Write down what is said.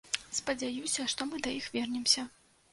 Спадзяюся, што мы да іх вернемся.